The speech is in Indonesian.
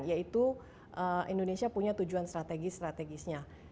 yaitu indonesia punya tujuan strategis strategisnya